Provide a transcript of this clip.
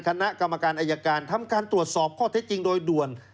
คณะกรรมการอายการทำการตรวจสอบข้อเท็จจริงโดยด่วน